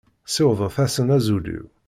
Siwḍet-asen azul-iw.